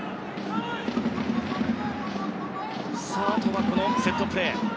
あとは、このセットプレー。